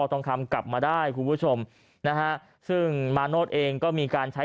ทองคำกลับมาได้คุณผู้ชมนะฮะซึ่งมาโนธเองก็มีการใช้